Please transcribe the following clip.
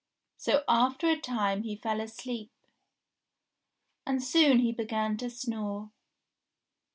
So after a time he fell asleep, and soon he began to snore.